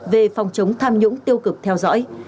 về phòng chống tham nhũng tiêu cực theo dõi